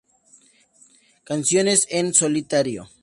Canciones en solitario.